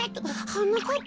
はなかっぱ。